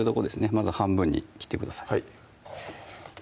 まず半分に切ってください